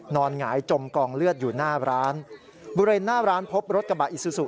หงายจมกองเลือดอยู่หน้าร้านบริเวณหน้าร้านพบรถกระบะอิซูซู